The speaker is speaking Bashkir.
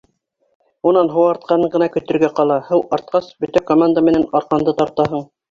Унан һыу артҡанын ғына көтөргә ҡала. һыу артҡас, бөтә команда менән арҡанды тартаһың.